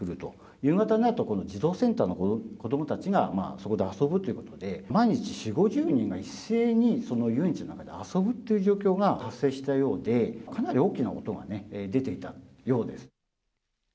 夕方になると今度、児童センターの子どもたちがそこで遊ぶということで、毎日４、５０人が一斉にその遊園地の中で遊ぶという状況が発生したようで、かなり大きな音が出ていたようです。